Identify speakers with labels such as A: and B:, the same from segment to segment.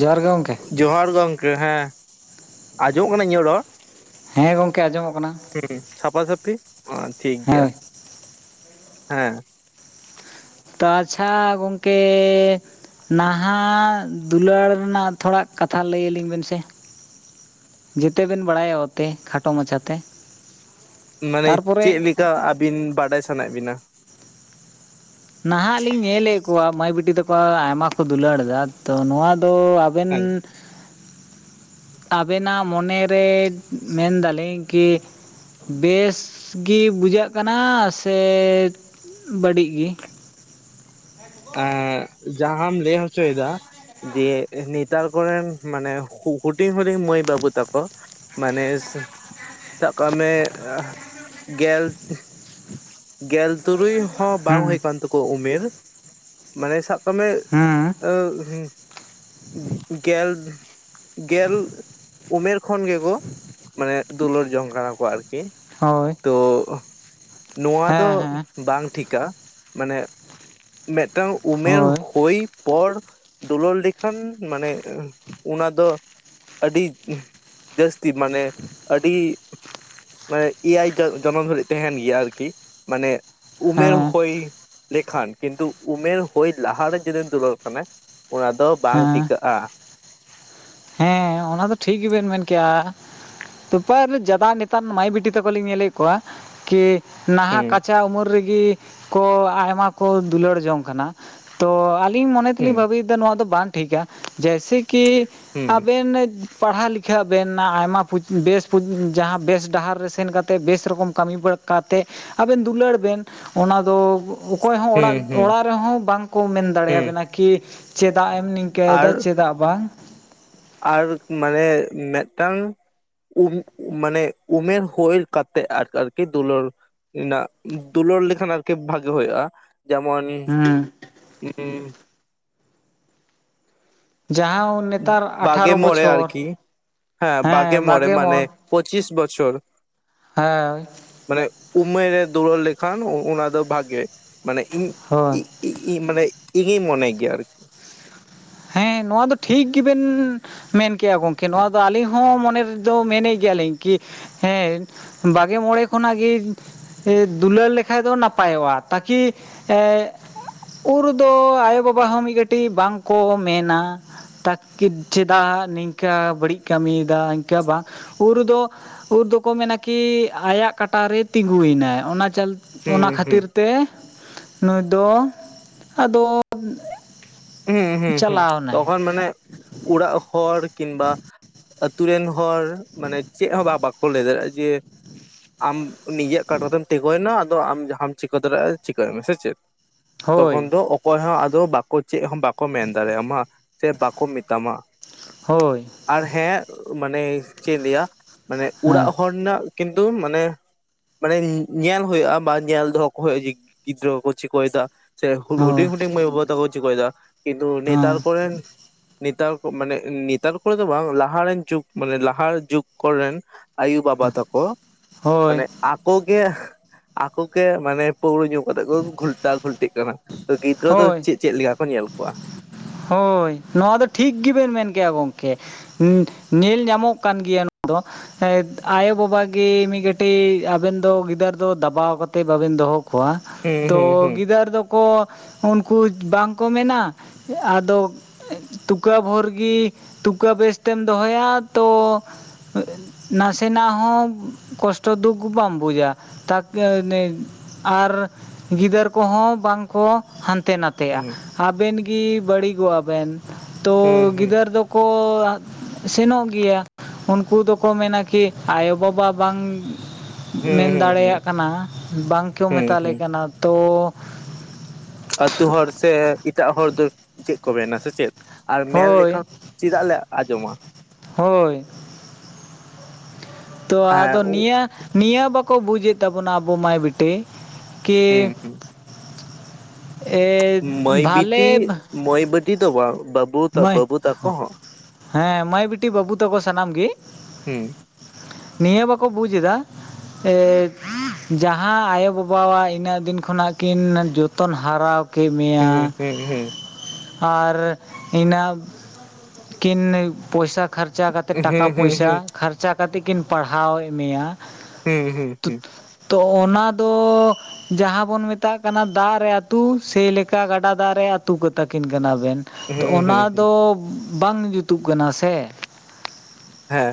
A: ᱡᱦᱟᱭ
B: ᱡᱚᱦᱟᱨ ᱜᱚᱝᱠᱮ ᱦᱮᱸ ᱟᱸᱡᱚᱢᱚᱜ ᱠᱟᱱᱟ ᱤᱧᱟᱹᱜ ᱨᱚᱲ
A: ᱦᱮᱸ ᱜᱚᱢᱠᱮ ᱟᱸᱡᱚᱢᱚᱜ ᱠᱟᱱᱟ
B: ᱦᱩᱸ ᱥᱟᱯᱷᱟ ᱥᱟᱹᱯᱷᱤ ᱢᱟ ᱴᱷᱤᱠ ᱜᱮᱭᱟ
A: ᱦᱳᱭ
B: ᱦᱮᱸ
A: ᱛᱚ ᱟᱪᱪᱷᱟ ᱜᱚᱝᱠᱮ ᱱᱟᱦᱟᱜ ᱫᱩᱞᱟᱹᱲ ᱨᱮᱱᱟᱜ ᱛᱷᱚᱲᱟ ᱠᱟᱛᱷᱟ ᱞᱟᱹᱭ ᱟᱹᱞᱤᱧ ᱵᱮᱱ ᱥᱮ ᱡᱮᱛᱮ ᱵᱮᱱ ᱵᱟᱲᱟᱭᱟ ᱚᱛᱮ ᱠᱷᱟᱴᱚ ᱢᱟᱪᱷᱟᱛᱮ
B: ᱢᱟᱱᱮ
A: ᱛᱟᱨᱯᱚᱨᱮ
B: ᱪᱮᱫ ᱞᱮᱠᱟ ᱟᱵᱤᱱ ᱵᱟᱰᱟᱭ ᱥᱟᱱᱟᱭᱮᱫ ᱵᱤᱱᱟ
A: ᱱᱟᱦᱟᱸᱜ ᱞᱤᱧ ᱧᱮᱞᱮᱜ ᱠᱚᱣᱟ ᱢᱟᱹᱭ ᱵᱤᱴᱤ ᱛᱟᱠᱚ ᱟᱭᱢᱟ ᱠᱚ ᱫᱩᱞᱟᱹᱲ ᱮᱫᱟ ᱛᱚ ᱱᱚᱶᱟ ᱫᱚ ᱵᱮᱱ
B: ᱦᱮᱸ
A: ᱟᱵᱮᱱᱟᱜ ᱢᱚᱱᱮ ᱨᱮ ᱢᱮᱱᱫᱟᱞᱤᱧ ᱠᱤ ᱵᱮᱥ ᱜᱮ ᱵᱩᱡᱷᱟᱹᱜ ᱠᱟᱱᱟ ᱥᱮ ᱵᱟᱹᱲᱤᱡᱽ ᱜᱮ [inaudible]
B: ᱮ ᱡᱟᱦᱟᱸᱟᱢ ᱞᱟᱹᱭ ᱦᱚᱪᱚᱭᱮᱫᱟ ᱡᱮ ᱱᱮᱛᱟᱨ ᱠᱚᱨᱮᱱ ᱢᱟᱱᱮ ᱠᱩ ᱦᱩᱰᱤᱧ ᱦᱩᱰᱤᱧ ᱢᱟᱹᱭ ᱵᱟᱹᱵᱩ ᱛᱟᱠᱚ ᱢᱟᱱᱮ ᱥᱟ ᱥᱟᱵᱽ ᱠᱟᱜ ᱢᱮ ᱟᱦ ᱜᱮᱞ ᱮᱸ ᱜᱮᱞ ᱛᱩᱨᱩᱭ ᱦᱚᱸ ᱵᱟᱝ
A: ᱦᱮᱸ
B: ᱦᱩᱭ ᱠᱟᱱ ᱛᱟᱠᱚᱣ ᱩᱢᱮᱨ ᱢᱟᱱᱮ ᱥᱟᱵ ᱠᱚᱢᱮ
A: ᱦᱮᱸ
B: ᱟᱹ ᱦᱩᱸ ᱜᱮᱞ ᱜᱮᱞ ᱩᱢᱮᱨ ᱠᱷᱚᱱ ᱜᱮᱠᱚ ᱢᱟᱱᱮ ᱫᱩᱞᱟᱹᱲ ᱡᱚᱝ ᱠᱟᱱᱟ ᱠᱚ ᱟᱨᱠᱤ
A: ᱦᱳᱭ
B: ᱛᱚ ᱱᱚᱣᱟ
A: ᱦᱮᱸ
B: ᱫᱚ
A: ᱦᱮᱸ
B: ᱵᱟᱝ ᱴᱷᱤᱠᱟ ᱢᱟᱱᱮ ᱢᱤᱫᱴᱟᱝ ᱩᱢᱮᱨ
A: ᱦᱳᱭ
B: ᱦᱩᱭ ᱯᱚᱲ ᱫᱩᱞᱟᱹᱲ ᱞᱮᱠᱷᱟᱱ ᱢᱟᱱᱮ ᱚᱱᱟ ᱫᱚ ᱟᱹᱰᱤ ᱡᱟᱹᱥᱛᱤ ᱢᱟᱱᱮ ᱟᱹᱰᱤ ᱢᱟᱱᱮ ᱮᱭᱟᱭ ᱡᱚᱱᱚᱢ ᱫᱷᱟᱹᱨᱤᱡ ᱛᱟᱦᱮᱱ ᱜᱮᱭᱟ ᱟᱨᱠᱤ ᱢᱟᱱᱮ ᱩᱢᱮᱨ
A: ᱦᱮᱸ
B: ᱦᱚᱭ ᱞᱮᱠᱷᱟᱱ ᱠᱤᱱᱛᱩ ᱩᱢᱮᱨ ᱦᱩᱭ ᱞᱟᱦᱟᱨᱮ ᱡᱩᱫᱤ ᱫᱩᱞᱟᱹᱲ ᱠᱷᱟᱱᱮ ᱚᱱᱟ ᱫᱚ ᱵᱟᱝ
A: ᱦᱮᱸ
B: ᱴᱤᱠᱟᱹᱜᱼᱟ
A: ᱮ ᱚᱱᱟ ᱫᱚ ᱴᱷᱤᱠ ᱜᱮᱵᱮᱱ ᱢᱮᱱ ᱠᱮᱜᱼᱟ ᱛᱯᱟᱨ ᱡᱟᱫᱟ ᱱᱮᱛᱟᱨ ᱢᱟᱹᱭ ᱵᱤᱴᱤ ᱛᱟᱠᱚ ᱞᱤᱧ ᱧᱮᱞᱮᱫ ᱠᱚᱣᱟ ᱠᱤ ᱱᱟᱦᱟᱸᱜ
B: ᱦᱩᱸ
A: ᱠᱟᱪᱟ ᱩᱢᱮᱨ ᱨᱮᱜᱮ ᱠᱚ ᱟᱭᱢᱟ ᱠᱚ ᱫᱩᱞᱟᱹᱲ ᱡᱚᱝ ᱠᱟᱱᱟ ᱛᱚ ᱟᱹᱞᱤᱧ ᱢᱚᱱᱮ ᱛᱮᱞᱤᱧ
B: ᱦᱩᱸ
A: ᱵᱷᱟᱹᱵᱤ ᱱᱚᱣᱟ ᱫᱚ ᱵᱟᱝ ᱴᱷᱤᱠᱟ ᱡᱮᱭᱥᱮ ᱠᱤ
B: ᱦᱩᱸ
A: ᱟᱵᱮᱱ ᱯᱟᱲᱦᱟ ᱞᱤᱠᱷᱟ ᱵᱮᱱ ᱟᱭᱢᱟ ᱯᱩᱡ ᱵᱮᱥ ᱯᱩᱡ ᱵᱮᱥ ᱰᱟᱦᱟᱨ ᱨᱮ ᱥᱮᱱ ᱠᱟᱛᱮ ᱵᱮᱥ ᱨᱚᱠᱚᱢ ᱠᱟᱹᱢᱤ ᱵᱟᱲ ᱠᱟᱛᱮ ᱟᱵᱮᱱ ᱫᱩᱞᱟᱹᱲ ᱵᱮᱱ ᱚᱱᱟ ᱫᱚ ᱚᱠᱚᱭ ᱦᱚᱸ
B: ᱦᱩᱸ
A: ᱚᱲᱟᱜ
B: ᱦᱩᱸ
A: ᱚᱲᱟᱜ ᱨᱮᱦᱚᱸ ᱵᱟᱝᱠᱚ ᱢᱮᱱ ᱫᱟᱲᱮ
B: ᱦᱩᱸ
A: ᱭᱟᱵᱮᱱᱟ ᱠᱤ ᱪᱮᱫᱟᱜ ᱮᱢ ᱱᱤᱝᱠᱟᱹ
B: ᱟᱨ
A: ᱠᱮᱭᱫᱟ ᱪᱮᱫᱟᱜ ᱵᱟᱝ
B: ᱟᱨ ᱢᱟᱱᱮ ᱢᱮᱫᱴᱟᱝ ᱩᱢ ᱢᱟᱱᱮ ᱩᱢᱮᱨ ᱦᱩᱭ ᱠᱟᱛᱮ ᱟᱨ ᱟᱨᱠᱤ ᱫᱩᱞᱟᱹᱲ ᱨᱮᱱᱟᱜ ᱫᱩᱞᱟᱹᱲ ᱞᱮᱠᱷᱟᱱ ᱟᱨᱠᱤ ᱵᱷᱟᱜᱤ ᱦᱩᱭᱩᱜᱼᱟ ᱡᱮᱢᱚᱱ
A: ᱦᱮᱸ ᱡᱟᱦᱟᱸᱶ ᱱᱮᱛᱟᱨ
B: ᱵᱟᱜᱮ
A: ᱟᱴᱷᱟᱨᱚ
B: ᱢᱚᱬᱮ
A: ᱵᱚᱪᱷᱚᱨ
B: ᱟᱨᱠᱤ ᱦᱮᱸ ᱵᱟᱜᱮ ᱢᱚᱬᱮ ᱢᱟᱱᱮ ᱯᱚᱸᱪᱤᱥ ᱵᱚᱪᱷᱚᱨ
A: ᱦᱮᱣᱭ
B: ᱢᱟᱱᱮ ᱩᱢᱮᱨ ᱨᱮ ᱫᱩᱲᱟᱹᱲ ᱞᱮᱠᱷᱟᱱ ᱚᱱᱟ ᱫᱚ ᱵᱷᱟᱜᱮ ᱢᱟᱱᱮ ᱤᱧ
A: ᱦᱳᱭ
B: ᱤᱜ ᱤ ᱤ ᱢᱟᱱᱮ ᱤᱜᱤᱧ ᱢᱚᱱᱮ ᱜᱮᱭᱟ ᱟᱨᱠᱤ
A: ᱦᱮᱸ ᱱᱚᱣᱟ ᱫᱚ ᱴᱷᱤᱠ ᱜᱮᱵᱮᱱ ᱢᱮᱱᱠᱮᱜᱼᱟ ᱜᱚᱝᱠᱮ ᱱᱚᱣᱟ ᱫᱚ ᱟᱹᱞᱤᱧ ᱦᱚᱸ ᱢᱚᱱᱮᱨ ᱫᱚ ᱢᱮᱱᱮᱜ ᱜᱮᱭᱟᱞᱤᱧ ᱠᱤ ᱦᱮᱸ ᱵᱟᱜᱮ ᱢᱚᱬᱮ ᱠᱷᱚᱱᱟᱜ ᱜᱮ ᱥᱮ ᱫᱩᱞᱟᱹᱲ ᱞᱮᱠᱷᱟᱡ ᱫᱚ ᱱᱟᱯᱟᱭᱚᱜᱼᱟ ᱛᱟᱠᱤ ᱮ ᱩᱨ ᱫᱚ ᱟᱭᱳ ᱵᱟᱵᱟ ᱦᱚᱸ ᱢᱤᱫ ᱠᱟᱹᱴᱤᱡᱽ ᱵᱟᱝᱠᱚ ᱢᱮᱱᱟ ᱴᱟ ᱠᱤᱴ ᱪᱮᱫᱟᱜ ᱱᱤᱝᱠᱟᱹ ᱵᱟᱹᱲᱤᱡᱽ ᱠᱟᱹᱢᱤᱭᱮᱫᱟᱧ ᱤᱱᱠᱟᱹ ᱵᱟᱝ ᱩᱨ ᱫᱚ ᱩᱨ ᱫᱚᱠᱚ ᱢᱮᱱᱟ ᱠᱤ ᱟᱭᱟᱜ ᱠᱟᱴᱟ ᱨᱮ ᱛᱤᱸᱜᱩ ᱭᱮᱱᱟᱭ ᱚᱱᱟ ᱪᱟᱞ ᱚᱱᱟ
B: ᱦᱩᱸ
A: ᱠᱷᱟᱹᱛᱤᱨ
B: ᱦᱩᱸ
A: ᱛᱮ ᱱᱩᱭ ᱫᱚ ᱟᱫᱚ
B: ᱦᱩᱸ ᱦᱩᱸ ᱦᱩᱸ
A: ᱪᱟᱞᱟᱣᱱᱟᱭ
B: ᱛᱚᱠᱷᱚᱱ ᱢᱟᱱᱮ ᱚᱲᱟᱜ ᱦᱚᱲ ᱠᱤᱢᱵᱟ ᱟᱹᱛᱩᱨ ᱨᱮᱱ ᱦᱚᱲ ᱢᱟᱱᱮ ᱪᱮᱫ ᱦᱚᱸ ᱵᱟ ᱵᱟᱠᱚ ᱞᱟᱹᱭ ᱫᱟᱲᱮᱭᱟᱜᱼᱟ ᱡᱮ ᱟᱢ ᱱᱤᱡᱮᱨ ᱠᱟᱴᱟ ᱛᱮᱢ ᱛᱮᱜᱚᱭᱱᱟ ᱟᱫᱚ ᱟᱢ ᱡᱟᱦᱟᱸᱟᱢ ᱪᱤᱠᱟᱹ ᱫᱟᱲᱮᱭᱟᱜᱼᱟ ᱪᱤᱠᱟᱹᱭ ᱢᱮ ᱥᱮ ᱪᱮᱫ
A: ᱦᱳᱭ
B: ᱛᱚᱠᱷᱚᱱ ᱫᱚ ᱚᱠᱚᱭ ᱦᱚᱸ ᱟᱫᱚ ᱵᱟᱠᱚ ᱪᱮᱫ ᱦᱚᱸ ᱵᱟᱠᱚ ᱠᱚ ᱢᱮᱱ ᱫᱟᱲᱮᱭᱟᱢᱟ ᱥᱮ ᱵᱟᱠᱚ ᱢᱮᱛᱟᱢᱟ
A: ᱦᱳᱭ
B: ᱟᱨ ᱦᱮᱸ ᱢᱟᱱᱮ ᱪᱮᱫ ᱤᱧ ᱞᱟᱹᱭᱟ ᱢᱟᱱᱮ ᱚᱲᱟᱜ
A: ᱦᱮᱸ
B: ᱦᱚᱲ ᱨᱮᱱᱟᱜ ᱠᱤᱱᱛᱩ ᱢᱟᱱᱮ ᱢᱟᱱᱮ ᱧᱮᱞ ᱦᱩᱭᱩᱜᱼᱟ ᱵᱟ ᱧᱮᱞ ᱫᱚᱦᱚ ᱠᱚ ᱦᱩᱭᱩᱜᱼᱟ ᱡᱮ ᱜᱤᱫᱽᱨᱟᱹ ᱠᱚ ᱪᱤᱠᱟᱹᱭ ᱫᱟ ᱥᱮ
A: ᱦᱳᱭ
B: ᱦᱩᱰᱤᱝ ᱦᱩᱰᱤᱝ ᱢᱟᱹᱭ ᱵᱟᱹᱵᱩ ᱛᱟᱠᱚ ᱠᱚ ᱪᱤᱠᱟᱹᱭ ᱫᱟ ᱠᱤᱱᱛᱩ ᱱᱮᱛᱟᱨ
A: ᱦᱮᱸ
B: ᱠᱚᱨᱮᱱ ᱱᱮᱛᱟᱨ ᱠᱚ ᱢᱟᱱᱮ ᱱᱮᱛᱟᱨ ᱠᱚᱨᱮ ᱫᱚ ᱵᱟᱝ ᱞᱟᱦᱟ ᱨᱮᱱ ᱡᱩᱠᱽ ᱢᱟᱱᱮ ᱞᱟᱦᱟ ᱡᱩᱠᱽ ᱠᱚᱨᱮᱱ ᱟᱹᱭᱳ ᱵᱟᱵᱟ ᱛᱟᱠᱚ
A: ᱦᱳᱭ
B: ᱢᱟᱱᱮ ᱟᱠᱚ ᱜᱮ ᱟᱠᱚ ᱜᱮ ᱢᱟᱱᱮ ᱯᱟᱹᱣᱨᱟᱹ ᱧᱩ ᱠᱟᱛᱮᱫ ᱠᱚ ᱜᱷᱳᱞᱴᱟᱣ ᱜᱷᱩᱞᱴᱤᱜ ᱠᱟᱱᱟ ᱛᱚ ᱜᱤᱫᱽᱨᱟᱹ ᱫᱚ
A: ᱦᱳᱭ
B: ᱪᱮᱫ ᱪᱮᱫ ᱞᱮᱠᱟ ᱠᱚ ᱧᱮᱞ ᱠᱚᱣᱟ
A: ᱦᱳᱭ ᱱᱚᱣᱟ ᱫᱚ ᱴᱷᱤᱠ ᱜᱮᱵᱮᱱ ᱢᱮᱱ ᱠᱮᱜᱼᱟ ᱜᱚᱢᱠᱮ ᱦᱩ ᱧᱮᱞ ᱧᱟᱢᱚᱜ ᱠᱟᱱ ᱜᱮᱭᱟ ᱱᱚᱣᱟ ᱫᱚ ᱮᱫ ᱟᱭᱳ ᱵᱟᱵᱟ ᱜᱮ ᱢᱤᱫ ᱠᱟᱹᱴᱤᱡ ᱟᱵᱮᱱ ᱫᱚ ᱜᱤᱫᱟᱹᱨ ᱫᱚ ᱫᱟᱵᱟᱣ ᱠᱟᱛᱮᱫ ᱵᱟᱵᱮᱱ ᱫᱚᱦᱚ ᱠᱚᱣᱟ
B: ᱦᱩᱸ
A: ᱛᱚ
B: ᱦᱩᱸ ᱦᱩᱸ
A: ᱜᱤᱫᱟᱹᱨ ᱫᱚᱠᱚ ᱩᱱᱠᱩ ᱵᱟᱝᱠᱚ ᱢᱮᱱᱟ ᱟᱫᱚ ᱛᱩᱠᱟᱹ ᱵᱷᱳᱨ ᱜᱮ ᱛᱩᱠᱟᱹ ᱵᱮᱥ ᱛᱮᱢ ᱫᱚᱦᱚᱭᱟ ᱛᱚ ᱱᱟᱥᱮᱱᱟᱜ ᱦᱚᱸ ᱠᱚᱥᱴᱚ ᱫᱩᱠ ᱵᱟᱢ ᱵᱩᱡᱟ [unintelligible] ᱟᱨ ᱜᱤᱫᱟᱹᱨ ᱠᱚᱦᱚᱸ ᱵᱟᱝᱠᱚ ᱦᱟᱱᱛᱮ ᱱᱟᱛ ᱛᱮᱭᱟ
B: ᱦᱩᱸ
A: ᱟᱵᱮᱱ ᱜᱤ ᱵᱟᱹᱲᱤᱜᱚ-ᱟ ᱵᱮᱱ ᱛᱚ
B: ᱦᱩᱸ ᱦᱩᱸ
A: ᱜᱤᱫᱟᱹᱨ ᱫᱚᱠᱚ ᱥᱮᱱᱚᱜ ᱜᱮᱭᱟ ᱩᱱᱠᱩ ᱫᱚᱠᱚ ᱢᱮᱱᱟ ᱠᱤ ᱟᱭᱳ ᱵᱟᱵᱟ ᱵᱟᱝ
B: ᱦᱩᱸ
A: ᱢᱮᱱ
B: ᱦᱩᱸ ᱦᱩᱸ
A: ᱫᱟᱲᱮᱭᱟᱜ ᱠᱟᱱᱟ ᱵᱟᱝ ᱠᱚ
B: ᱦᱩᱸ
A: ᱢᱮᱛᱟᱞᱮ
B: ᱦᱩᱸ
A: ᱠᱟᱱᱟ ᱛᱚ
B: ᱟᱹᱛᱩ ᱦᱚᱲ ᱥᱮ ᱮᱴᱟᱜ ᱦᱚᱲ ᱫᱚ ᱪᱮᱫ ᱠᱚ ᱢᱮᱱᱟ ᱥᱮ ᱪᱮᱫ ᱟᱨ ᱢᱮᱱ
A: ᱦᱳᱭ
B: ᱞᱮᱠᱷᱚᱠ ᱪᱮᱫᱟᱜ ᱞᱮ ᱟᱸᱡᱚᱢᱟ
A: ᱦᱳᱭ ᱛᱚ
B: ᱦᱮᱸ
A: ᱟᱫᱚ ᱱᱤᱭᱟᱹ ᱱᱤᱭᱟᱹ ᱵᱟᱠᱚ ᱵᱩᱡᱮᱫ ᱛᱟᱵᱚᱱᱟ ᱟᱵᱚ ᱢᱟᱹᱭ ᱵᱤᱴᱤ ᱠᱤ
B: ᱦᱩᱸ ᱦᱩᱸ
A: ᱮ
B: ᱢᱟᱹᱭ ᱵᱤᱴᱤ
A: ᱵᱷᱟᱞᱮ
B: ᱢᱟᱹᱭ [unintelligible] ᱫᱚ ᱵᱟᱝ ᱵᱟᱹᱵ
A: ᱢᱟᱹᱭ ᱦᱮᱸ ᱢᱟᱹᱭ ᱵᱤᱴᱤ ᱵᱟᱹᱵᱩ ᱛᱟᱠᱚ ᱥᱟᱱᱟᱢ ᱜᱮ
B: ᱦᱩᱸ
A: ᱱᱤᱭᱟᱹ ᱵᱟᱠᱚ ᱵᱩᱡ ᱫᱟ ᱮᱜ ᱡᱟᱦᱟᱸ ᱟᱭᱳᱼᱵᱟᱵᱟᱣᱟᱜ ᱤᱱᱟᱹᱜ ᱫᱤᱱ ᱠᱷᱚᱱᱟᱜ ᱠᱤᱱ ᱡᱚᱛᱚᱱ ᱦᱟᱨᱟ ᱠᱮᱜ
B: ᱦᱩᱸ
A: ᱢᱮᱭᱟ
B: ᱦᱩᱸ ᱦᱩᱸ
A: ᱟᱨ ᱤᱱᱟ ᱠᱤᱱ ᱯᱚᱭᱥᱟ ᱠᱷᱟᱨᱪᱟ ᱠᱟᱛᱮᱫ
B: ᱦᱩᱸ
A: ᱴᱟᱠᱟ
B: ᱦᱩᱸ ᱦᱩᱸ
A: ᱯᱚᱭᱥᱟ ᱠᱷᱟ ᱪᱮᱠᱟ ᱠᱟᱛᱮᱜ ᱠᱤᱱ ᱯᱟᱲᱦᱟᱣᱮᱜ ᱢᱮᱭᱟ
B: ᱦᱩᱸ ᱦᱩᱸ ᱦᱩᱸ
A: ᱛᱩᱫ ᱛᱚ ᱚᱱᱟ ᱫᱚ ᱡᱟᱦᱟ ᱵᱚᱱ ᱢᱮᱛᱟᱜ ᱠᱟᱱᱟ ᱫᱟᱜ ᱨᱮ ᱟᱹᱛᱩ ᱥᱮ ᱞᱮᱠᱟ ᱜᱟᱰᱟ ᱫᱟᱜ ᱨᱮ ᱟᱹᱛᱩ ᱠᱟ ᱛᱟᱠᱤᱱ ᱠᱟᱱᱟᱵᱮᱱ ᱛᱚ
B: ᱦᱩᱸ
A: ᱚᱱᱟ
B: ᱦᱩᱸ
A: ᱫᱚ ᱵᱟᱝ ᱡᱩᱛᱩᱜ ᱠᱟᱱᱟ ᱥᱮ
B: ᱦᱮᱸ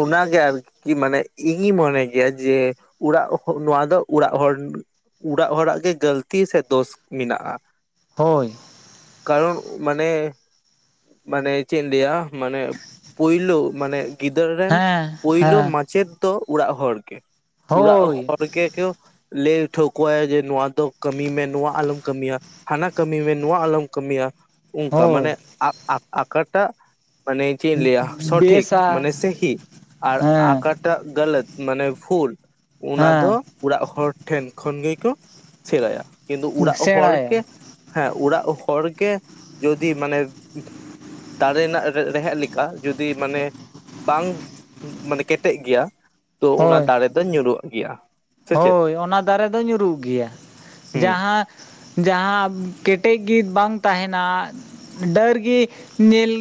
B: ᱚᱱᱟᱜᱮ ᱟᱨᱠᱤ ᱢᱟᱱᱮ ᱤᱧᱤᱧ ᱢᱚᱱᱮ ᱜᱮᱭᱟ ᱡᱮ ᱩᱲᱟᱜ ᱱᱚᱣᱟ ᱫᱚ ᱩᱲᱟᱜ ᱦᱚᱲ ᱩᱲᱟᱜ ᱦᱩᱲᱟᱜ ᱜᱮ ᱜᱟᱹᱞᱛᱤ ᱥᱮ ᱫᱳᱥ ᱢᱮᱱᱟᱜᱼᱟ
A: ᱦᱳᱭ
B: ᱠᱟᱨᱚᱱ ᱢᱟᱱᱮ ᱢᱟᱱᱮ ᱪᱮᱫ ᱤᱧ ᱞᱮᱭᱟ ᱢᱟᱱᱮ ᱯᱳᱭᱞᱳ ᱢᱟᱱᱮ ᱜᱤᱫᱟᱹᱨ ᱨᱮᱱ
A: ᱦᱮᱸ
B: ᱯᱳᱭᱞᱳ
A: ᱦᱮᱸ
B: ᱢᱟᱪᱮᱫ ᱫᱚ ᱚᱲᱟᱜ ᱦᱚᱲ ᱜᱮ ᱚᱲᱟᱜ
A: ᱦᱳᱭ
B: ᱦᱚᱲ ᱜᱮ ᱠᱚ ᱞᱮᱭ ᱴᱷᱟᱣᱠᱟᱹ ᱟᱭᱟ ᱡᱮ ᱱᱚᱣᱟ ᱫᱚ ᱠᱟᱹᱢᱤ ᱢᱮ ᱱᱚᱣᱟ ᱟᱞᱚᱢ ᱠᱟᱹᱢᱤᱭᱟ ᱦᱟᱱᱟ ᱠᱟᱹᱢᱤ ᱢᱮ ᱱᱚᱣᱟ ᱟᱞᱚᱢ ᱠᱟᱹᱢᱤᱭᱟ ᱚᱝᱠᱟ
A: ᱦᱳᱭ
B: ᱢᱟᱱᱮ ᱟᱠ ᱟᱠᱟᱴᱟᱜ ᱢᱟᱱᱮ ᱪᱮᱜ ᱤᱧ ᱞᱮᱭᱟ ᱥᱚᱴᱷᱤᱠ
A: ᱵᱮᱥᱟ
B: ᱢᱟᱱᱮ ᱥᱟᱹᱦᱤ ᱟᱨ
A: ᱦᱮᱸ
B: ᱟᱠᱟ ᱴᱟᱜ ᱜᱟᱹᱞᱟᱹᱛ ᱢᱟᱱᱮ ᱵᱷᱩᱞ ᱚᱱᱟ
A: ᱦᱮᱸ
B: ᱫᱚ ᱩᱲᱟᱜ ᱦᱚᱲ ᱴᱷᱮᱱ ᱠᱷᱚᱱ ᱜᱮᱠᱚ ᱥᱮᱬᱟᱭᱟ ᱠᱤᱱᱫᱩ ᱩᱲᱟᱜ ᱦᱚᱲ
A: ᱥᱮᱬᱟᱭᱟ
B: ᱜᱮ ᱦᱮᱸ ᱩᱲᱟᱜ ᱦᱚᱲ ᱜᱮ ᱡᱚᱫᱤ ᱢᱟᱱᱮ ᱫᱟᱨᱮ ᱨᱮᱱᱟᱜ ᱨᱮᱦᱮᱫᱽ ᱞᱤᱠᱟ ᱡᱩᱫᱤ ᱢᱟᱱᱮ ᱵᱟᱝ ᱢᱟᱱᱮ ᱠᱮᱴᱮᱜ ᱜᱮᱭᱟ ᱛᱚ ᱚᱱᱟ
A: ᱦᱳᱭ
B: ᱫᱟᱨᱮ ᱫᱚ ᱧᱩᱨᱩᱜ ᱜᱮᱭᱟ ᱥᱮ ᱪᱮᱫ
A: ᱦᱳᱭ ᱚᱱᱟ ᱫᱟᱨᱮ ᱫᱚ ᱧᱩᱨᱩᱜ ᱜᱮᱭᱟ
B: ᱦᱩᱸ
A: ᱡᱟᱦᱟᱸ ᱡᱟᱦᱟᱸ ᱠᱮᱴᱮᱡ ᱜᱤ ᱵᱟᱝ ᱛᱟᱦᱮᱱᱟ ᱰᱟᱹᱨ ᱜᱤ ᱧᱮᱞ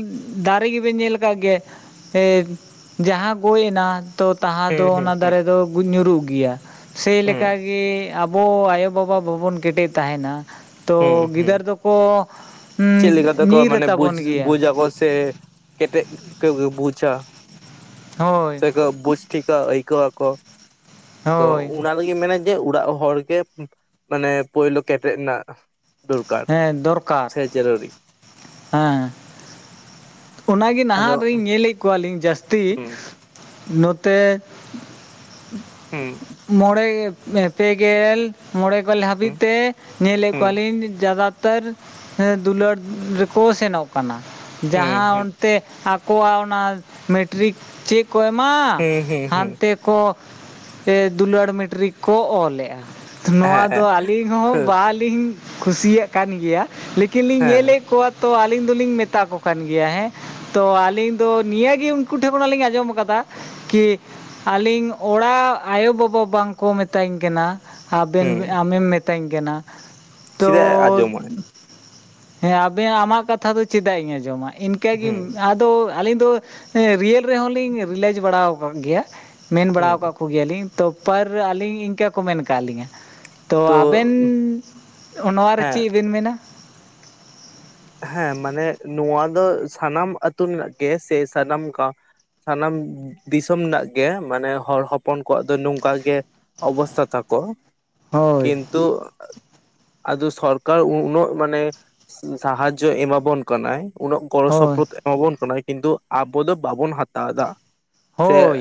A: ᱫᱟᱨᱮ ᱜᱮᱵᱮᱱ ᱧᱮᱞ ᱠᱟᱜ ᱜᱮ ᱮ ᱡᱟᱦᱟᱸ ᱜᱚᱡ ᱱᱟ ᱛᱚ ᱛᱟᱦᱟᱸ
B: ᱦᱩᱸ
A: ᱫᱚ
B: ᱦᱩᱸ
A: ᱚᱱᱟ
B: ᱦᱩᱸ
A: ᱫᱟᱨᱮ ᱫᱚ ᱧᱩᱨᱩᱜ ᱜᱮᱭᱟ ᱥᱮᱭ
B: ᱦᱩᱸ
A: ᱞᱮᱠᱟ ᱜᱮ ᱟᱵᱚ ᱟᱭᱳᱼᱵᱟᱵᱟ ᱵᱟᱵᱚᱱ ᱠᱮᱴᱮ ᱛᱟᱦᱮᱱᱟ ᱛᱚ ᱜᱤᱫᱟᱹᱨ ᱫᱚᱠᱚ
B: ᱪᱮᱜ ᱞᱮᱠᱟ ᱛᱮᱠᱚ
A: ᱧᱤᱨ
B: ᱢᱟᱱᱮ ᱵᱩᱡᱽ
A: ᱟᱛᱟᱵᱚᱱ ᱜᱮᱭᱟ
B: ᱵᱩᱡ ᱟᱵᱚ ᱥᱮ ᱠᱮᱴᱮᱡ [unintelligible] ᱵᱩᱡᱟ
A: ᱦᱳᱭ
B: ᱥᱮᱠᱚ ᱵᱩᱡᱽ ᱴᱷᱤᱠ [inaudible] ᱟᱹᱭᱠᱟᱹᱣ ᱟᱠᱚᱛᱚ
A: ᱦᱳᱭ
B: ᱩᱱᱟ ᱚ ᱨᱮᱜᱤ [unintelligible] ᱢᱮᱱᱟ ᱡᱮ ᱩᱲᱟᱜ ᱦᱚᱲ ᱜᱮ ᱢᱟᱱᱮ ᱯᱳᱭᱞᱳ ᱠᱮᱴᱮᱜ ᱨᱮᱱᱟᱜ ᱫᱚᱨᱠᱟᱨ
A: ᱦᱮᱸ ᱫᱚᱨᱠᱟᱨ
B: ᱥᱮ ᱡᱟᱹᱨᱩᱨᱤ
A: ᱦᱮᱸ ᱚᱱᱟ ᱜᱮ
B: ᱟᱫᱚ
A: ᱱᱟᱦᱟᱜ ᱨᱤᱧ ᱧᱮᱞᱮᱫ ᱠᱚᱣᱟᱞᱤᱧ ᱡᱟᱹᱥᱛᱤ
B: ᱦᱩᱸ
A: ᱱᱚᱛᱮ
B: ᱦᱩᱸ
A: ᱢᱚᱸᱬᱮ ᱯᱮ ᱜᱮᱞ ᱢᱚᱬᱮᱮᱜᱞ [unintelligible] ᱦᱟᱹᱵᱤᱡ
B: ᱦᱩᱸ
A: ᱛᱮ ᱧᱮᱞᱮᱫ
B: ᱦᱩᱸ
A: ᱠᱚᱣᱟ ᱞᱤᱧ ᱡᱟᱫᱟ ᱩᱛᱟᱹᱨ [unintelligible] ᱫᱩᱞᱟᱹᱲ ᱨᱮᱠᱚ ᱥᱮᱱᱚᱜ ᱠᱟᱱᱟ
B: ᱦᱩᱸ
A: ᱟᱸ
B: ᱦᱩᱸ
A: ᱚᱱᱛᱮ ᱟᱠᱚᱣᱟᱜ ᱚᱱᱟ ᱢᱮᱴᱨᱤᱠ ᱪᱮᱜ ᱠᱚ ᱮᱢ ᱟᱻ
B: ᱦᱩᱸ ᱦᱩᱸ ᱦᱩᱸ
A: ᱦᱟᱱᱛᱮ ᱠᱚ ᱫᱩᱞᱟᱹᱲ ᱢᱮᱴᱨᱤᱠ ᱠᱚ ᱚᱞ ᱮᱜᱟ ᱱᱚᱣᱟ ᱫᱚ
B: ᱦᱮᱸ
A: ᱟᱹᱞᱤᱧ ᱦᱚᱸ
B: ᱦᱮᱸ
A: ᱵᱟᱞᱤ ᱟᱹᱰᱤᱧ [unintelligible] ᱠᱩᱥᱤᱭᱟᱜ ᱠᱟᱱ ᱜᱮᱭᱟ ᱞᱮᱠᱤᱱ ᱞᱤᱧ
B: ᱦᱮᱸ
A: ᱧᱮᱞᱮᱜ ᱠᱚᱣᱟ ᱛᱚ ᱟᱹᱞᱤᱧ ᱫᱩᱞᱤᱧ ᱢᱮᱛᱟ ᱠᱚ ᱠᱟ ᱠᱟᱱ ᱜᱮᱭᱟ ᱦᱮᱸ ᱛᱚ ᱟᱞᱤᱧ ᱫᱚ ᱱᱤᱭᱟᱹ ᱜᱮ ᱩᱱᱠᱩ ᱴᱷᱮᱱ ᱠᱷᱚᱱᱟᱜ ᱞᱤᱧ ᱟᱸᱡᱚᱢ ᱟᱠᱟᱫᱟ ᱠᱤ ᱟᱞᱤᱧ ᱚᱲᱟᱜ ᱟᱭᱳ ᱵᱟᱵᱟ ᱵᱟᱝᱠᱚ ᱢᱤᱛᱟᱹᱧ ᱠᱟᱱᱟ ᱟᱵᱮᱱ
B: ᱦᱮᱸ
A: ᱟᱢᱮᱢ ᱢᱤᱛᱧ ᱠᱟᱱᱟ ᱛᱚ
B: ᱪᱮᱫᱟᱜ ᱮ ᱟᱸᱡᱚᱢᱟᱭ
A: ᱦᱮᱸ ᱟᱵᱮ ᱟᱢᱟᱜ ᱠᱟᱛᱷᱟ ᱫᱚ ᱪᱮᱫᱟᱜ ᱤᱧ ᱟᱸᱡᱚᱢᱟ ᱤᱱᱠᱟᱹ ᱜᱮ
B: ᱦᱩᱸ
A: ᱛᱚ ᱟᱞᱤᱧ ᱫᱚ ᱨᱤᱭᱮᱞ ᱨᱮᱦᱚᱸ ᱞᱤᱧ ᱨᱤᱞᱟᱭᱤᱡ ᱵᱟᱲᱟᱶ ᱠᱟᱜ ᱜᱮᱭᱟ ᱢᱮᱱ
B: ᱦᱩᱸ
A: ᱵᱟᱲᱟᱣ ᱠᱟᱜ ᱠᱚᱜᱮ ᱭᱟᱞᱤᱧ ᱛᱳ ᱯᱟᱹᱨ ᱟᱞᱤᱧ ᱤᱱᱠᱟᱹ ᱠᱚ ᱢᱮᱱ ᱠᱟᱜ ᱞᱤᱧᱟ ᱛᱚ ᱟᱵᱮᱱ ᱱᱚᱣᱟ ᱨᱮ
B: ᱦᱮᱸ
A: ᱪᱮᱜ ᱵᱮᱱ ᱢᱮᱱᱟ
B: ᱦᱮᱸ ᱢᱟᱱᱮ ᱱᱚᱣᱟ ᱫᱚ ᱥᱟᱱᱟᱢ ᱟᱹᱛᱩ ᱨᱮᱱᱟᱜ ᱜᱮ ᱥᱮ ᱥᱟᱱᱟᱢ ᱥᱟᱱᱟᱢ ᱫᱤᱥᱚᱢ ᱱᱟᱜ ᱜᱮ ᱢᱟᱱᱮ ᱦᱚᱲ ᱦᱚᱯᱚᱱ ᱠᱚᱣᱟᱜ ᱫᱚ ᱱᱩᱝᱠᱟ ᱜᱮ ᱚᱵᱚᱥᱛᱟ ᱛᱟᱠᱚ
A: ᱦᱳᱭ
B: ᱠᱤᱱᱛᱩ ᱟᱫᱚ ᱥᱚᱨᱠᱟᱨ ᱩᱱᱟᱹᱜ ᱢᱟᱱᱮ ᱥᱟᱦᱟᱡᱡᱚ ᱮᱢᱟᱵᱚᱱ ᱠᱟᱱᱟᱭ ᱩᱱᱟᱹᱜ ᱜᱚᱲᱚ
A: ᱦᱳᱭ
B: ᱥᱚᱯᱚᱲᱚᱫ ᱮᱢᱟᱵᱚᱱ ᱠᱟᱱᱟᱭ ᱠᱤᱱᱛᱩ ᱟᱵᱚ ᱫᱚ ᱵᱟᱵᱚᱱ ᱦᱟᱛᱟᱣ ᱮᱫᱟ ᱥᱮ
A: ᱦᱳᱭ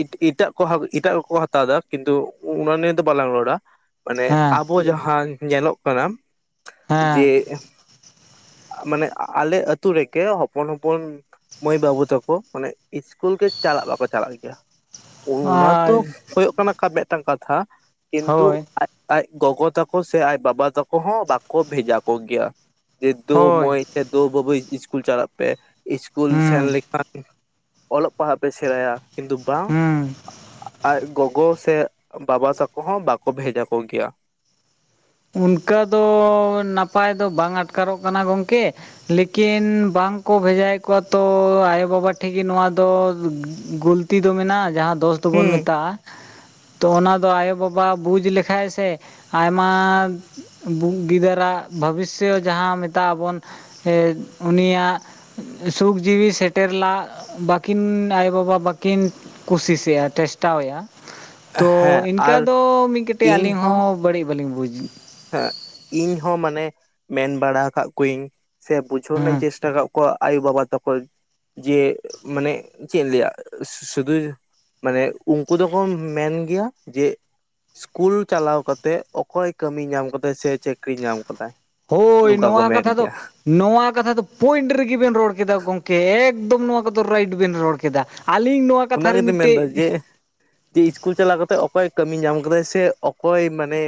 B: ᱤᱴ ᱤᱴᱟᱜ ᱠᱚ ᱦᱟᱸᱜ ᱤᱴᱟᱜ ᱠᱚᱠᱚ ᱦᱟᱛᱟᱣ ᱫᱟ ᱠᱤᱱᱛᱩ ᱚᱱᱟ ᱱᱤᱭᱮ ᱫᱚ ᱵᱟᱞᱟᱝ ᱨᱚᱲᱟ ᱢᱟᱱᱮ
A: ᱦᱮᱸ
B: ᱟᱵᱚ ᱡᱟᱦᱟᱸ ᱧᱮᱞᱚᱜ ᱠᱟᱱᱟ ᱡᱮ
A: ᱦᱮᱸ
B: ᱢᱟᱱᱮ ᱟᱞᱮ ᱟᱛᱳ ᱨᱮᱜᱮ ᱦᱚᱯᱚᱱ ᱦᱚᱯᱚᱱ ᱢᱟᱹᱭ ᱵᱟᱹᱵᱩ ᱛᱟᱠᱚ ᱢᱟᱱᱮ ᱤᱥᱠᱩᱞ ᱜᱮ ᱪᱟᱞᱟᱜ ᱵᱟᱠᱚ ᱪᱟᱞᱟᱜ ᱜᱮᱭᱟ ᱚᱱᱟ
A: ᱟᱨ
B: ᱛᱚ ᱦᱳᱭᱳᱜ ᱠᱟᱱᱟ ᱢᱮᱫᱴᱟᱝ ᱠᱟᱛᱷᱟ ᱠᱤᱱᱛᱩ
A: ᱦᱳᱭ
B: ᱟᱡ ᱜᱚᱜᱚ ᱛᱟᱠᱚ ᱥᱮ ᱟᱡ ᱵᱟᱵᱟ ᱛᱟᱠᱚ ᱦᱚᱸ ᱵᱟᱠᱚ ᱵᱷᱮᱡᱟ ᱠᱚ ᱜᱮᱭᱟ ᱡᱮ ᱫᱳ
A: ᱦᱳᱭ
B: ᱢᱟᱹᱭ ᱥᱮ ᱫᱳ ᱵᱟᱹᱵᱩ ᱤᱥᱠᱩᱞ ᱪᱟᱞᱟᱜ ᱯᱮ ᱤᱥᱠᱩᱞ ᱥᱮᱱ
A: ᱦᱩᱸ
B: ᱞᱮᱠᱷᱟᱱ ᱚᱞᱚᱜ ᱯᱟᱲᱦᱟᱜ ᱯᱮ ᱥᱮᱬᱟᱭᱟ ᱠᱤᱱᱛᱩ ᱵᱟᱝ
A: ᱦᱩᱸ
B: ᱟᱡ ᱜᱚᱜᱚ ᱥᱮ ᱵᱟᱵᱟ ᱛᱟᱠᱚ ᱦᱚᱸ ᱵᱟᱠᱚ ᱵᱷᱮᱡᱟᱠᱚ ᱜᱮᱭᱟ
A: ᱚᱱᱠᱟ ᱫᱚ ᱱᱟᱯᱟᱭ ᱫᱚ ᱵᱟᱝ ᱟᱴᱠᱟᱨᱚᱜ ᱠᱟᱱᱟ ᱜᱚᱝᱠᱮ ᱞᱤᱠᱤᱱ ᱵᱟᱝᱠᱚ ᱵᱷᱮᱡᱟᱭᱮᱫ ᱠᱚᱣᱟ ᱛᱚ ᱟᱭᱳ-ᱵᱟᱵᱟ ᱴᱷᱮᱜᱮ ᱱᱚᱣᱟ ᱫᱚ ᱜᱩᱞ [unintelligible] ᱛᱤ ᱫᱚ ᱢᱮᱱᱟᱜᱼᱟ ᱡᱟᱦᱟᱸ ᱫᱚᱥ ᱛᱚ ᱵᱚᱱ
B: ᱦᱮᱸ
A: ᱢᱮᱛᱟᱜᱼᱟ ᱛᱚ ᱚᱱᱟ ᱫᱚ ᱟᱭᱳ ᱵᱟᱵᱟ ᱵᱩᱡᱽ ᱞᱮᱠᱷᱟᱡ ᱥᱮ ᱟᱭᱢᱟ ᱜᱤᱫᱟᱹᱨ ᱟᱜ ᱵᱷᱟᱵᱤᱥᱚ ᱡᱟᱦᱟᱸ ᱢᱮᱛᱟᱜᱼᱟ ᱵᱚᱱ [unintelligible] ᱩᱱᱤᱭᱟᱜ ᱥᱩᱠ ᱡᱤᱣᱤ ᱥᱮᱴᱮᱨ ᱞᱟᱹᱜ ᱵᱟᱹᱠᱤᱱ ᱟᱭᱳᱵᱟᱵᱟ ᱵᱟᱹᱠᱤᱱ ᱠᱩᱥᱤᱥᱮᱜᱼᱟ ᱴᱮᱥᱴᱟᱣᱮᱜᱼᱟ ᱛᱚ
B: ᱦᱮᱸ
A: ᱤᱱᱠᱟᱹ
B: ᱟᱨ
A: ᱫᱚ ᱢᱤᱫᱠᱟᱴᱤᱡ ᱟᱹᱞᱤᱧ ᱦᱚᱸ ᱵᱟᱹᱲᱤᱡ ᱵᱟᱹᱞᱤᱧ ᱵᱩᱡᱽ
B: ᱦᱮᱸ ᱤᱧ ᱦᱚᱸ ᱢᱟᱱᱮ ᱢᱮᱱ ᱵᱟᱲᱟ ᱠᱟᱜ ᱠᱩᱣᱤᱧ ᱥᱮ ᱵᱩᱡᱷᱟᱹᱣ ᱨᱮᱱᱟᱜ ᱤᱧ
A: ᱦᱮᱸ
B: ᱪᱮᱥᱴᱟ ᱠᱟᱜ ᱠᱚᱣᱟ ᱟᱭᱳᱵᱟᱵᱟ ᱛᱟᱠᱚ ᱡᱮ ᱢᱟᱱᱮ ᱪᱮᱜ ᱤᱧ ᱞᱟᱹᱭᱟ ᱥᱩᱫᱷᱩ ᱢᱟᱱᱮ ᱩᱝᱠᱩ ᱫᱚᱠᱚ ᱢᱮᱱᱜᱮᱭᱟ ᱡᱮ ᱤᱥᱠᱩᱞ ᱪᱟᱞᱟᱣ ᱠᱟᱛᱮᱜ ᱚᱠᱚᱭ ᱾ ᱠᱟᱹᱢᱤ ᱧᱟᱢ ᱠᱟᱫᱟᱭ ᱥᱮ ᱪᱟᱹᱠᱨᱤ ᱧᱟᱢ ᱠᱟᱫᱟᱭ
A: ᱦᱳᱭ
B: ᱱᱚᱝᱠᱟ ᱠᱚ
A: ᱱᱚᱣᱟ
B: ᱢᱮᱱ
A: ᱠᱟᱛᱷᱟ ᱫᱚ
B: ᱜᱮᱭᱟ
A: ᱱᱚᱣᱟ ᱠᱟᱛᱷᱟ ᱫᱚ ᱯᱚᱭᱮᱱᱴ ᱨᱮᱜᱮ ᱵᱮᱱ ᱨᱚᱲ ᱠᱮᱫᱟ ᱜᱚᱝᱠᱮ ᱮᱠᱫᱚᱢ ᱱᱚᱣᱟ ᱠᱚᱫᱚ ᱨᱟᱭᱤᱴ ᱵᱮᱱ ᱨᱚᱲ ᱠᱮᱫᱟ ᱟᱹᱞᱤᱧ ᱱᱚᱣᱟ ᱠᱟᱛᱷᱟ
B: ᱚᱱᱟ
A: ᱨᱮ
B: ᱜᱮᱛᱚᱧ
A: ᱢᱤᱫᱴᱤᱡ
B: ᱢᱮᱱᱫᱟ ᱡᱮ ᱡᱮ ᱤᱥᱠᱩᱞ ᱪᱟᱞᱟᱣ ᱠᱟᱛᱮᱜ ᱚᱠᱚᱭ ᱠᱟᱹᱢᱤ ᱧᱟᱢ ᱠᱟᱫᱟᱭ ᱥᱮ ᱚᱠᱚᱭ ᱢᱟᱱᱮ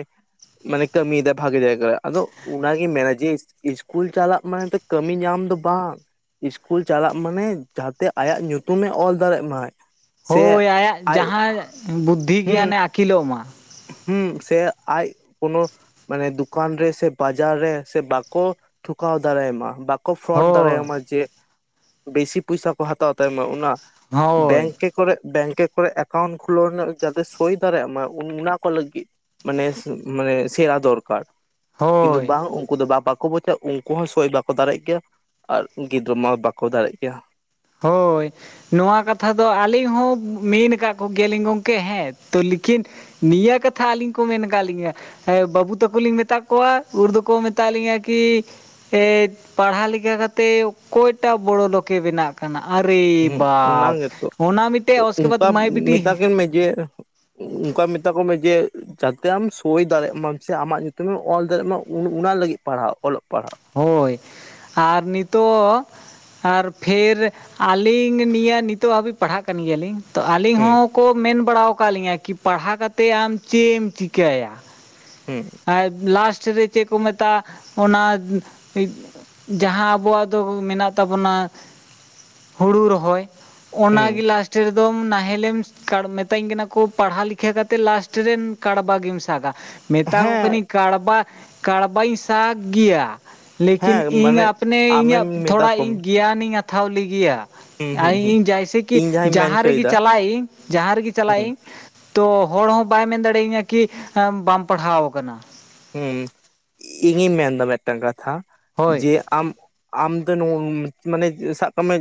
B: ᱢᱟᱱᱮ ᱠᱟᱹᱢᱤᱭᱮᱫᱟᱭ ᱵᱷᱟᱜᱮ ᱡᱟᱭᱜᱟ ᱨᱮ ᱟᱫᱚ ᱚᱱᱟᱜᱮ ᱢᱮᱱᱮᱡᱮ ᱤᱥᱠᱩᱞ ᱪᱟᱞᱟᱜ ᱢᱟᱱᱮᱛᱚ ᱠᱟᱹᱢᱤ ᱧᱟᱢ ᱫᱚ ᱵᱟᱝ ᱤᱥᱠᱩᱞ ᱪᱟᱞᱟᱜ ᱢᱟᱱᱮ ᱡᱟᱦᱟᱛᱮ ᱟᱭᱟᱜ ᱧᱩᱛᱩᱢᱮ ᱚᱞ ᱫᱟᱲᱮᱜ ᱢᱟᱭ ᱾
A: ᱦᱳᱭ ᱟᱭᱟᱜ ᱡᱟᱦᱟᱸ ᱵᱩᱫᱽᱫᱷᱤ
B: ᱦᱩᱸ
A: ᱜᱮᱭᱟᱱᱮ ᱟᱹᱠᱤᱞᱚᱜ ᱢᱟ ᱾
B: ᱦᱩᱸ ᱥᱮ ᱟᱡ ᱠᱳᱱᱚ ᱢᱟᱱᱮ ᱫᱚᱠᱟᱱ ᱨᱮ ᱥᱮ ᱵᱟᱡᱟᱨ ᱨᱮ ᱥᱮ ᱵᱟᱠᱚ ᱴᱷᱚᱠᱟᱣ ᱫᱟᱲᱮᱭᱟᱢᱟ ᱾ ᱠᱚ ᱯᱷᱨᱚᱰ
A: ᱦᱳᱭ
B: ᱫᱟᱲᱮᱭᱟᱢᱟ ᱡᱮ ᱵᱮᱥᱤ ᱯᱚᱭᱥᱟ ᱠᱚ ᱦᱟᱛᱟᱣ ᱛᱟᱭᱢᱟ ᱚᱱᱟ
A: ᱦᱳᱭ
B: ᱵᱮᱝᱠᱮ ᱠᱚᱨᱮ ᱵᱮᱝᱠᱮ ᱠᱚᱨᱮ ᱮᱠᱟᱣᱩᱱᱴ ᱠᱷᱩᱞᱟᱹᱣ ᱨᱮᱱᱟᱜ ᱡᱟᱛᱮ ᱥᱳᱭ ᱫᱟᱲᱮᱭᱟᱜᱟ ᱢᱟ ᱾ ᱚᱱᱟ ᱠᱚ ᱞᱟᱹᱜᱤᱜ ᱢᱟᱱᱮ ᱢᱟᱱᱮ ᱥᱮᱬᱟ ᱫᱚᱨᱠᱟᱨ ᱾ ᱠᱤᱱᱛᱩ
A: ᱦᱳᱭ
B: ᱵᱟᱝ ᱩᱱᱠᱩ ᱫᱚ ᱵᱟᱵᱟᱠᱚ ᱵᱚᱡᱪᱷᱩᱚᱜ ᱩᱱᱠᱩ ᱦᱚᱸ ᱥᱳᱭ ᱵᱟᱠᱚ ᱫᱟᱨᱮᱜ ᱜᱮᱭᱟ ᱟᱨ ᱜᱤᱫᱽᱨᱟᱹ ᱢᱟ ᱵᱟᱠᱚ ᱫᱟᱲᱮᱜ ᱜᱮᱭᱟ ᱾
A: ᱦᱳᱭ ᱾ ᱱᱚᱣᱟ ᱠᱟᱛᱷᱟ ᱫᱚ ᱟᱹᱞᱤᱧ ᱦᱚᱸ ᱢᱮᱱ ᱠᱟᱜ ᱠᱚᱜᱮᱭᱟᱞᱤᱧ ᱜᱚᱝᱠᱮ ᱦᱮᱸ ᱛᱚ ᱞᱮᱠᱤᱱ ᱱᱤᱭᱟᱹ ᱠᱟᱛᱷᱟ ᱟᱹᱞᱤᱧ ᱠᱚ ᱢᱮᱱ ᱠᱟᱜ ᱞᱤᱧᱟ ᱾ ᱦᱮᱸ ᱵᱟᱹᱵᱩ ᱛᱟᱠᱚ ᱞᱤᱧ ᱢᱮᱛᱟ ᱠᱚᱣᱟ ᱩᱨ ᱫᱚᱠᱚ ᱢᱮᱛᱟ ᱞᱤᱧᱟᱹ ᱠᱤ ᱮᱫ ᱯᱟᱲᱦᱟᱣ ᱞᱮᱠᱟ ᱠᱟᱛᱮ ᱚᱠᱚᱭᱴᱟᱜ ᱵᱚᱲᱚ ᱞᱳᱠᱮ ᱵᱮᱱᱟᱜ ᱠᱟᱱᱟ ᱟᱨᱮ
B: ᱦᱩᱸ ᱚᱱᱟ
A: ᱵᱟᱯ
B: ᱜᱮᱛᱚ
A: ᱚᱱᱟ ᱢᱤᱫᱴᱮ ᱚᱥᱠᱮ ᱵᱟᱫ ᱢᱟᱭ ᱵᱤᱴᱤ
B: ᱢᱮᱱ ᱢᱮᱜᱮ ᱚᱝᱠᱟ ᱢᱮᱛᱟ ᱠᱚ ᱢᱮ ᱡᱮ ᱡᱟᱛᱮ ᱟᱢ ᱥᱳᱭ ᱫᱟᱲᱮᱜ ᱢᱟᱢ ᱥᱮ ᱟᱢᱟᱜ ᱧᱩᱛᱩᱢ ᱮᱢ ᱚᱞ ᱫᱟᱲᱮᱜ ᱢᱟ ᱚᱱᱟ ᱚᱱᱟ ᱞᱟᱹᱜᱤᱫ ᱛᱮ ᱯᱟᱲᱦᱟᱣ ᱚᱞᱚᱜ ᱯᱟᱲᱦᱟᱣ
A: ᱦᱳᱭ ᱟᱨ ᱱᱤᱛᱚᱜ ᱟᱨ ᱯᱷᱮᱨ ᱟᱹᱞᱤᱧ ᱱᱤᱭᱟᱹ ᱱᱤᱛᱚᱜ ᱦᱟᱹᱵᱤᱡ ᱯᱟᱲᱦᱟᱜ ᱠᱟᱱ ᱜᱮᱭᱟᱞᱤᱧ ᱾ ᱛᱚ ᱟᱹᱞᱤᱧ
B: ᱦᱩᱸ
A: ᱦᱚᱸᱠᱚ ᱢᱮᱱ ᱵᱟᱲᱟ ᱟᱠᱟᱫ ᱞᱤᱧᱟᱹ ᱠᱤ ᱯᱟᱲᱦᱟᱜ ᱠᱟᱛᱮ ᱟᱢ ᱪᱮᱫ ᱮᱢ ᱪᱤᱠᱟᱹᱭᱟ?
B: ᱦᱩᱸ ᱾
A: ᱟᱨ ᱞᱟᱥᱴ ᱨᱮ ᱪᱮᱫ ᱠᱚ ᱢᱮᱛᱟᱜᱼᱟ ᱚᱱᱟ ᱡᱟᱦᱟᱸ ᱟᱵᱚᱣᱟᱜ ᱫᱚ ᱢᱮᱱᱟᱜ ᱛᱟᱵᱚᱱᱟ ᱦᱩᱲᱩ ᱨᱚᱦᱚᱭ ᱚᱱᱟ
B: ᱦᱩᱸ
A: ᱜᱮ ᱞᱟᱥᱴ ᱾ ᱞᱟᱥᱴ ᱨᱮᱫᱚᱢ ᱱᱟᱦᱮᱞᱮᱢ ᱢᱮᱛᱟᱹᱧ ᱠᱟᱱᱟ ᱠᱚ ᱯᱟᱲᱦᱟ ᱞᱮᱤᱠᱷᱟ ᱠᱟᱛᱮ ᱞᱟᱥᱴ ᱨᱮᱱ ᱠᱟᱲᱵᱟ ᱜᱮᱢ ᱥᱟᱜᱟ ᱾ ᱢᱮᱛᱟ ᱠᱚ
B: ᱦᱮᱸ
A: ᱠᱟᱹᱱᱟᱹᱧ ᱠᱟᱲᱵᱟ ᱠᱟᱲᱵᱟᱧ ᱥᱟᱜ ᱜᱮᱭᱟ ᱾ ᱞᱮᱠᱤᱱ
B: ᱦᱮᱸ
A: ᱤᱧ
B: ᱢᱟᱱᱮ
A: ᱟᱯᱱᱮ
B: ᱟᱢᱮᱢ
A: ᱤᱧᱟᱹᱜ
B: ᱢᱮᱛᱟ
A: ᱛᱷᱚᱲᱟ
B: ᱠᱚᱢ
A: ᱤᱧ ᱜᱮᱭᱟᱱᱤᱧ ᱟᱛᱷᱟᱣ ᱞᱮᱜᱮᱭᱟ
B: ᱦᱩᱸ
A: ᱾ ᱟᱨ
B: ᱦᱩᱸ ᱦᱩᱸ
A: ᱤᱧ ᱡᱮᱭᱥᱮ ᱠᱤ
B: ᱤᱧ ᱡᱟᱦᱟᱸᱧ ᱢᱮᱱ
A: ᱡᱟᱦᱟᱸ ᱨᱮᱜᱮ
B: ᱦᱚᱪᱚᱭᱮᱫᱟ
A: ᱪᱟᱞᱟᱜ ᱤᱧ ᱡᱟᱦᱟᱸ ᱨᱮᱜᱮ ᱪᱟᱞᱟᱜ
B: ᱦᱩᱸ
A: ᱤᱧ ᱛᱚ ᱦᱚᱲ ᱦᱚᱸ ᱵᱟᱭ ᱢᱮᱱ ᱫᱟᱲᱮᱭᱟᱹᱧᱟ ᱠᱤ ᱵᱟᱢ ᱯᱟᱲᱦᱟᱣ ᱟᱠᱟᱱᱟ ᱾
B: ᱦᱩᱸ ᱤᱧᱤᱧ ᱢᱮᱱᱫᱟ ᱢᱮᱫᱴᱟᱝ ᱠᱟᱛᱷᱟ
A: ᱦᱳᱭ
B: ᱡᱮ ᱟᱢ ᱟᱢ ᱫᱚ ᱱᱚ ᱢᱟᱱᱮ ᱥᱟᱵ ᱠᱟᱜ ᱢᱮ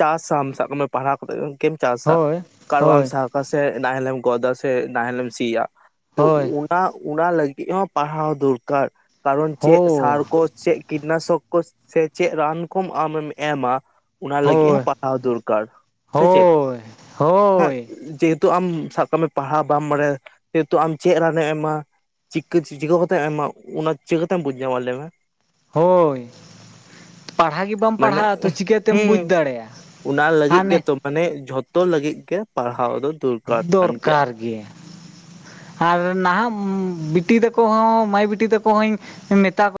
B: ᱪᱟᱥᱟᱢ ᱥᱟᱵ ᱠᱟᱜ ᱢᱮ ᱯᱟᱲᱦᱟᱣ ᱠᱟᱛᱮ ᱾ ᱮᱢ ᱪᱟᱥᱟ
A: ᱦᱳᱭ
B: ᱠᱟᱨᱵᱟᱢ
A: ᱦᱳᱭ
B: ᱥᱟᱵᱟ ᱥᱮ ᱱᱟᱦᱮᱞᱮᱢ ᱜᱚᱫ ᱫᱟ ᱥᱮ ᱱᱟᱦᱮᱞᱮᱢ ᱥᱤᱭᱟ ᱾ ᱛᱚ
A: ᱦᱳᱭ
B: ᱚᱱᱟ ᱚᱱᱟ ᱞᱟᱹᱜᱤᱫ ᱦᱚᱸ ᱯᱟᱲᱦᱟᱣ ᱫᱚᱨᱠᱟᱨ ᱠᱟᱨᱚᱱ
A: ᱦᱳ
B: ᱪᱮᱫ ᱥᱟᱨ ᱠᱳ ᱪᱮᱫ ᱠᱤᱴᱱᱟᱥᱚᱠ ᱠᱳᱪᱥ ᱥᱮ ᱪᱮᱫ ᱨᱟᱱ ᱠᱚᱢ ᱟᱢᱮᱢ ᱮᱢᱟ ᱾ ᱚᱱᱟ ᱞᱟᱹᱜᱤᱫ ᱦᱚᱸ
A: ᱦᱳᱭ
B: ᱯᱟᱲᱦᱟᱣ ᱫᱚᱨᱠᱟᱨ ᱥᱮ ᱪᱮᱫ
A: ᱦᱳᱭ
B: ᱦᱮᱸ
A: ᱦᱳᱭ
B: ᱡᱮᱦᱮ ᱛᱩ ᱡᱮ ᱟᱢ ᱥᱟᱵ ᱠᱟᱜ ᱢᱮ ᱯᱟᱲᱦᱟᱣ ᱵᱟᱢ ᱵᱟᱲᱟᱭᱟ ᱡᱮᱦᱮᱛᱩ ᱟᱢ ᱪᱮᱫ ᱨᱟᱱᱮᱢ ᱮᱢᱟ ᱠᱤ ᱪᱤᱠᱟᱹᱠᱚ ᱠᱟᱛᱮᱢ ᱮᱢᱟ ᱚᱱᱟ ᱪᱤᱠᱟᱹ ᱠᱟᱛᱮᱢ ᱵᱩᱡᱽ ᱧᱟᱢᱟ ᱞᱟᱹᱭ ᱢᱮ ᱾
A: ᱦᱳᱭ ᱾ ᱯᱟᱲᱦᱟᱜ ᱜᱮ ᱵᱟᱢ
B: ᱢᱟᱱᱮ
A: ᱯᱟᱲᱦᱟᱜᱼᱟ ᱛᱚ ᱪᱤᱠᱟᱹᱛᱮᱢ ᱵᱩᱡ
B: ᱦᱩᱸ
A: ᱫᱟᱲᱮᱭᱟᱜᱼᱟ
B: ᱚᱱᱟ ᱞᱟᱹᱜᱤᱫ
A: ᱦᱟᱱᱮ
B: ᱜᱮᱛᱚ ᱢᱟᱱᱮ ᱡᱷᱚᱛᱚ ᱞᱟᱹᱜᱤᱫ ᱜᱮ ᱯᱟᱲᱦᱟᱣ ᱫᱚ ᱫᱚᱨᱠᱟᱨ ᱠᱟᱱ ᱜᱮᱭᱟ ᱾
A: ᱫᱚᱨᱠᱟᱨ ᱜᱮ ᱟᱨ ᱱᱟᱦᱟᱜ ᱵᱤᱴᱤ ᱛᱟᱠᱚ ᱦᱚᱸ ᱢᱟᱹᱭ ᱵᱤᱴᱤ ᱛᱟᱠᱚ ᱦᱚᱸᱧ ᱢᱮᱛᱟ ᱠᱚᱣ